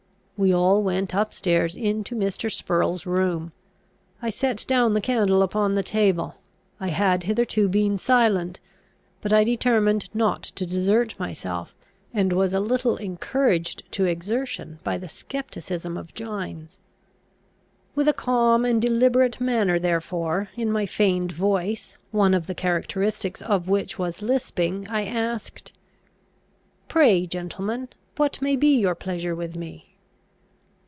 We all went up stairs into Mr. Spurrel's room; I set down the candle upon the table. I had hitherto been silent; but I determined not to desert myself, and was a little encouraged to exertion by the scepticism of Gines. With a calm and deliberate manner therefore, in my feigned voice, one of the characteristics of which was lisping, I asked, "Pray, gentlemen, what may be your pleasure with me?"